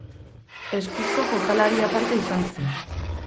Eskuzko jokalari aparta izan zen.